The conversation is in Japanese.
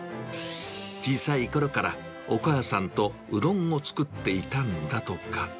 小さいころからお母さんとうどんを作っていたんだとか。